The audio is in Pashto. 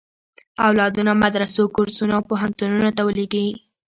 اولادونه مدرسو، کورسونو او پوهنتونونو ته ولېږي.